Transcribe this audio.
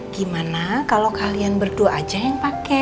gimana kalau kalian berdua aja yang pakai